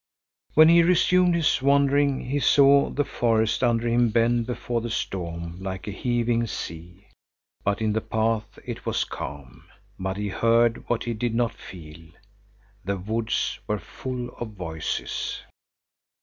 When he resumed his wandering, he saw the forest under him bend before the storm like a heaving sea, but in the path it was calm. But he heard what he did not feel. The woods were full of voices.